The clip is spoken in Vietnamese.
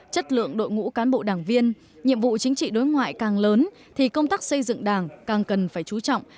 chất lượng đội ngũ cán bộ đảng viên nhiệm vụ chính trị đối ngoại càng lớn thì công tác xây dựng đảng càng cần phải chú trọng